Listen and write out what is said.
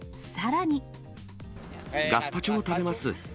ガスパチョを食べます。